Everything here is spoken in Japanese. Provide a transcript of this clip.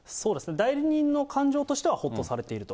代理人の感情としてはほっとされていると。